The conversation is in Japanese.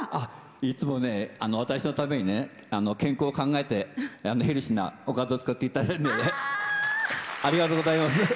いつもね、私のために健康を考えてヘルシーなおかずを作っていただいてありがとうございます。